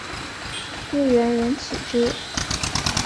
故园人岂知？